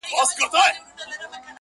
• د غوجل او د ګورم د څښتنانو -